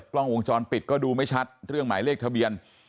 กล้องวงจรปิดก็ดูไม่ชัดเรื่องหมายเลขทะเบียน